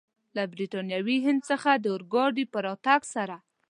له برټانوي هند څخه د اورګاډي په راتګ سره.